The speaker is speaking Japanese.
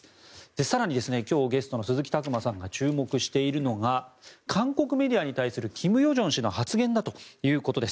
更に、今日ゲストの鈴木琢磨さんが注目しているのが韓国メディアに対する金与正氏の発言だということです。